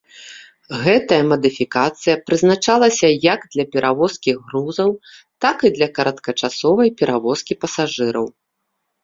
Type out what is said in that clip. Гэтая мадыфікацыя прызначалася як для перавозкі грузаў, так і для кароткачасовай перавозкі пасажыраў.